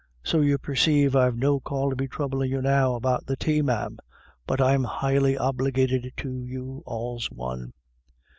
So you perceive I've no call to be throublin* you now about the tay, ma'am ; but I'm highly obligated to you all's one."